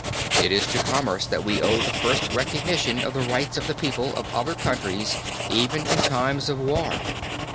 It is to commerce that we owe the first recognition of the rights of the people of other countries even in time of war.